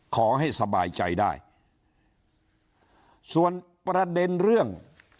ขอให้สบายใจได้ส่วนประเด็นเรื่อง